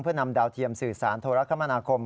เพื่อนำดาวเทียมสื่อสารโทรคมนาคม